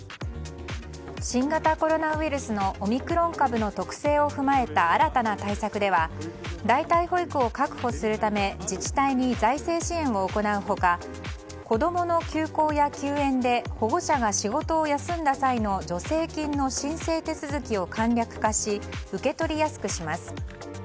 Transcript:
新型コロナウイルスのオミクロン株の特性を踏まえた新たな対策では代替保育を確保するため自治体に財政支援を行う他子供の休校や休園で保護者が仕事を休んだ際の助成金の申請手続きを簡略化し受け取りやすくします。